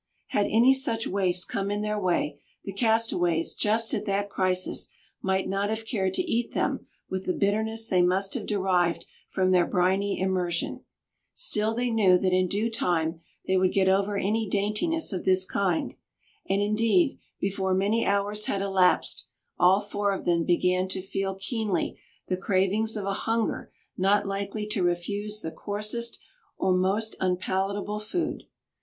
Had any such waifs come in their way, the castaways just at that crisis might not have cared to eat them with the bitterness they must have derived from their briny immersion; still they knew that in due time they would get over any daintiness of this kind; and, indeed, before many hours had elapsed, all four of them began to feel keenly the cravings of a hunger not likely to refuse the coarsest or most unpalatable food.